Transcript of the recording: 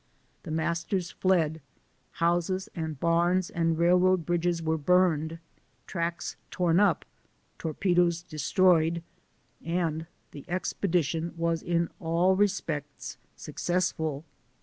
The masters fled ; houses and barns and railroad bridges were burned, t*acks torn up, torpedoes destroyed, and the expedition was in all respects successful.